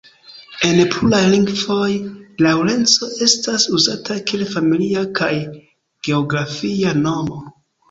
En pluraj lingvoj Laŭrenco estas uzata kiel familia kaj geografia nomo.